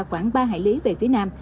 khoảng ba hải lý về phía nam